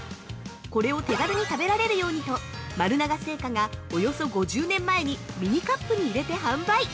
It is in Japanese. これを手軽に食べられるようにと丸永製菓がおよそ５０年前にミニカップに入れて販売。